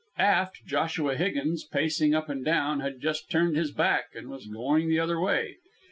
Aft, Joshua Higgins, pacing up and down, had just turned his back and was going the other way.